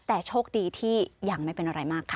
แต่โชคดีที่ยังไม่เป็นอะไรมากค่ะ